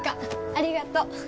ありがとう。